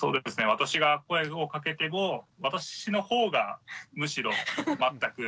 私が声をかけても私の方がむしろ全く。